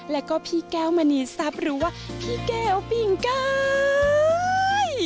แล้วก็พี่แก้วมณีทรัพย์หรือว่าพี่แก้วปิ่งกาย